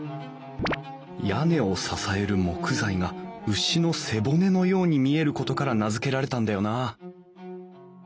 屋根を支える木材が牛の背骨のように見えることから名付けられたんだよなあ